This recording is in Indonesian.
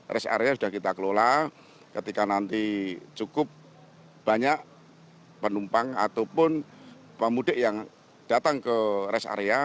rest area sudah kita kelola ketika nanti cukup banyak penumpang ataupun pemudik yang datang ke rest area